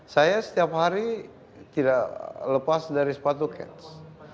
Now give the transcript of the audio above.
saya setiap hari tidak lepas dari sepatu cats